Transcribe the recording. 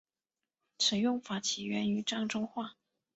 此用法起源于漳州话。